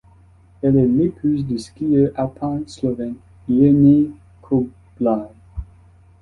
Elle est l'épouse du skieur alpin slovène Jernej Koblar.